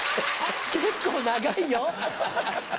結構長いよ。